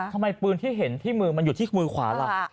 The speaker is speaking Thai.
ทำไมปืนที่เห็นที่มือมันอยู่ที่มือขวาล่ะ